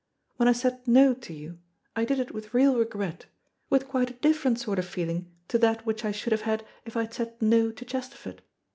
When I said 'No' to you, I did it with real regret, with quite a different sort of feeling to that which I should have had if I had said 'No' to Chesterford.